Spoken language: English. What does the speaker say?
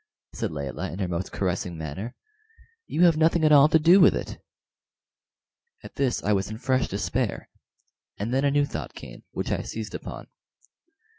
said Layelah, in her most caressing manner. "You have nothing at all to do with it." At this I was in fresh despair, and then a new thought came, which I seized upon.